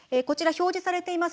表示されています